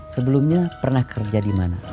sebelumnya pernah kerja dimana